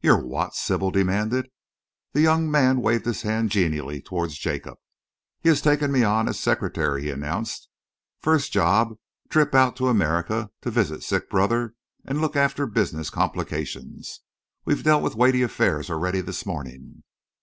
"Your what?" Sybil demanded. The young man waved his hand genially towards Jacob. "He's taken me on as secretary," he announced. "First job, trip out to America to visit sick brother and look after business complications. We've dealt with weighty affairs already this morning."